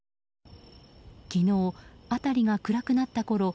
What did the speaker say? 昨日、辺りが暗くなったころ